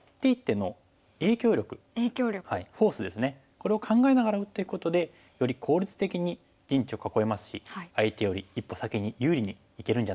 これを考えながら打っていくことでより効率的に陣地を囲えますし相手より一歩先に有利にいけるんじゃないかというのが